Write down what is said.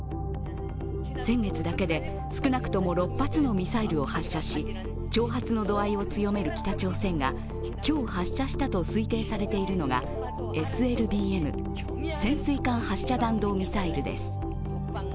先月だけで少なくとも６発のミサイルを発射し、挑発の度合いを強める北朝鮮が今日発射したと推定されているのがＳＬＢＭ＝潜水艦発射弾道ミサイルです。